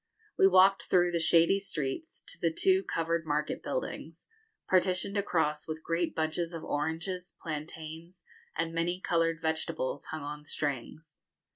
We walked through the shady streets to the two covered market buildings, partitioned across with great bunches of oranges, plantains, and many coloured vegetables, hung on strings.